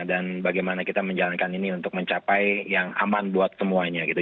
dan bagaimana kita menjalankan ini untuk mencapai yang aman buat semuanya gitu